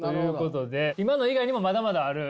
今の以外にもまだまだある？